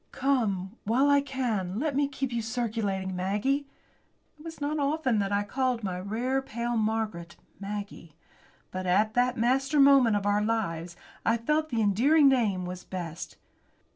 "Come, while I can, let me keep you circulating, Maggie!" It was not often that I called my "rare, pale Margaret" Maggie. But, at that master moment of our lives, I felt that the endearing name was best.